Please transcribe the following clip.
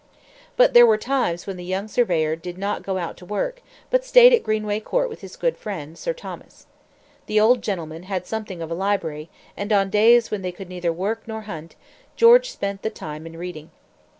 But there were times when the young surveyor did not go out to work, but stayed at Greenway Court with his good friend, Sir Thomas. The old gentleman had something of a library, and on days when they could neither work nor hunt, George spent the time in reading.